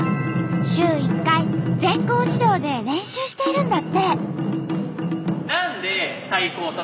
週１回全校児童で練習しているんだって。